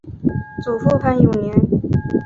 祖父潘永年。